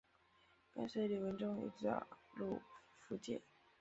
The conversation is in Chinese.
跟随李文忠一道入福建。